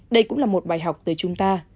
đây cũng là một bài học tới chúng ta